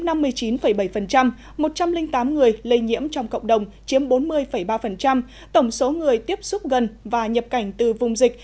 một trăm linh tám người lây nhiễm trong cộng đồng chiếm bốn mươi ba tổng số người tiếp xúc gần và nhập cảnh từ vùng dịch